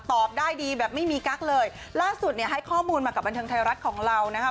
ตอบได้ดีแบบไม่มีกั๊กเลยล่าสุดเนี่ยให้ข้อมูลมากับบันเทิงไทยรัฐของเรานะคะ